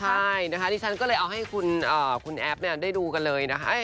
ใช่นะคะดิฉันก็เลยเอาให้คุณแอฟได้ดูกันเลยนะคะ